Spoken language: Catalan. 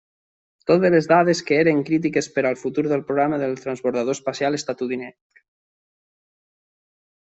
Totes les dades que eren crítiques per al futur del programa del Transbordador Espacial estatunidenc.